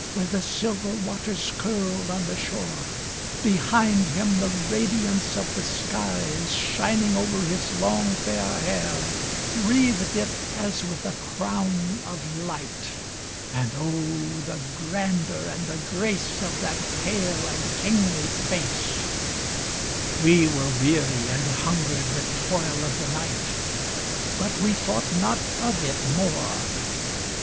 Where the silver waters curled on the shore ; Behind Him the radiance of the skies Shining over His long, fair hair Wreathed it as with a crown of light ; And oh, the grandeur and the grace Of that pale and kingly face — We were weary and hungered with toil of the night But we thought not of it more